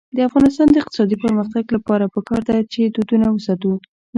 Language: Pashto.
د افغانستان د اقتصادي پرمختګ لپاره پکار ده چې دودونه وساتو.